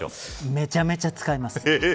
めちゃめちゃ使います。